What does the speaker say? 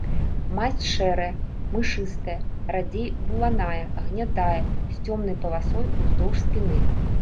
Масць шэрая, мышастая, радзей буланая, гнядая, з цёмнай паласой уздоўж спіны.